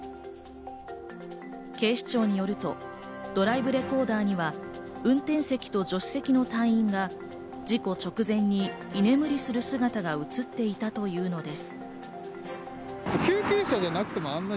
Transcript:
警視庁によると、ドライブレコーダーには運転席と助手席の隊員が事故直前に居眠りする姿が映っていたというのです。